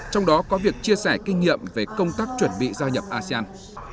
trong đó có việc chia sẻ kinh nghiệm về công tác chuẩn bị gia nhập asean